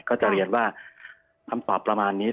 ก็จะเรียนว่าคำตอบประมาณนี้